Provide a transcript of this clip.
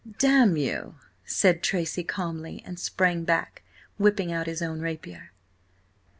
"Damn you!" said Tracy calmly, and sprang back, whipping out his own rapier.